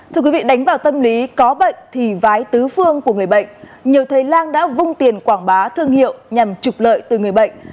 thưa quý vị đánh vào tâm lý có bệnh thì vái tứ phương của người bệnh nhiều thầy lang đã vung tiền quảng bá thương hiệu nhằm trục lợi từ người bệnh